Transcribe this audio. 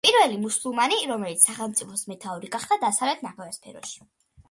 პირველი მუსულმანი, რომელიც სახელმწიფოს მეთაური გახდა დასავლეთ ნახევარსფეროში.